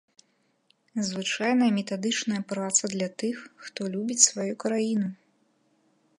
Звычайная метадычная праца для тых, хто любіць сваю краіну.